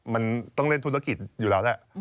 มันต้องเล่นธุรกิจอยู่แล้วแหละ